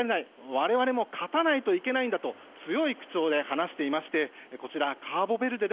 我々も勝たないといけないんだと強い口調で話していましてこちら、カーボベルデ